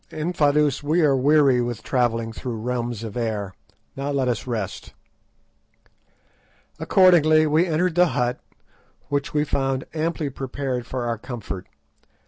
"Infadoos; we are weary with travelling through realms of air; now let us rest." Accordingly we entered the hut, which we found amply prepared for our comfort.